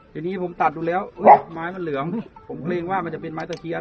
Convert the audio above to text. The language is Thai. ทีนี้ผมตัดดูแล้วไม้มันเหลืองผมเกรงว่ามันจะเป็นไม้ตะเคียน